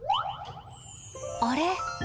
あれ？